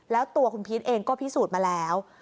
แล้วตัวคุณพีชเองก็พิสูจน์มาแล้ว